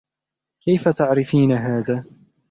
كيف تعرفين هذا ؟